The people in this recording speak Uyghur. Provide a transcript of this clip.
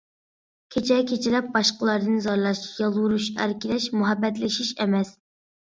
كېچە-كېچىلەپ باشقىلاردىن زارلاش، يالۋۇرۇش، ئەركىلەش مۇھەببەتلىشىش ئەمەس.